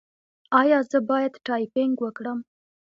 ایا زه باید ټایپینګ وکړم؟